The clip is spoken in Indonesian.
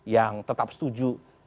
yang tetap setuju